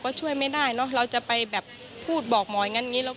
ก็ไม่อยากให้มันเกิดขึ้นกับครอบครัวคนอื่น